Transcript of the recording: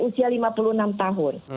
usia lima puluh enam tahun